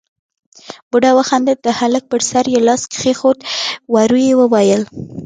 بوډا وخندل، د هلک پر سر يې لاس کېښود، ورو يې وويل: